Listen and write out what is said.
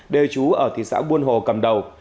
đề trú ở thị xã buôn hồ cầm đầu